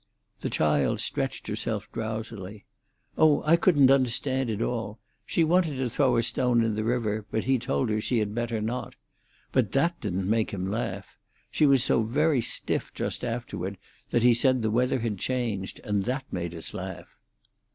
The child stretched herself drowsily. "Oh I couldn't understand it all. She wanted to throw a stone in the river, but he told her she had better not. But that didn't make him laugh. She was so very stiff just afterward that he said the weather had changed, and that made us laugh."